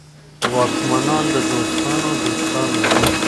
واکمنان د دوستانو دوستان وي.